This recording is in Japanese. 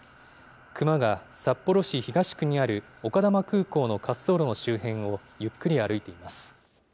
熊が札幌市東区にある丘珠空港の滑走路の周辺をゆっくり歩いています。